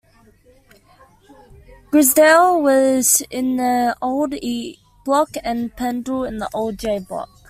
Grizedale was in the old 'E' Block and Pendle in the old 'J' block.